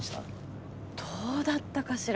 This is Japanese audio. どうだったかしら？